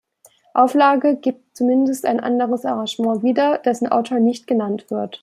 Auflage gibt zumindest ein anderes Arrangement wieder, dessen Autor nicht genannt wird.